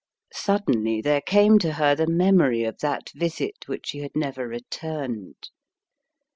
Suddenly there came to her the memory of that visit which she had never returned.